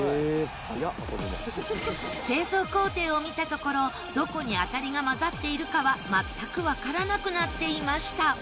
製造工程を見たところどこに当たりが混ざっているかは全くわからなくなっていました。